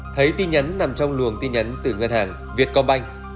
thấy tin nhắn nằm trong luồng tin nhắn từ ngân hàng vietcombank